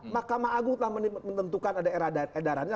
mahkamah agung telah menentukan ada edarannya